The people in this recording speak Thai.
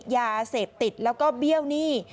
ยาเสพติดแล้วก็เบี้ยวหนี้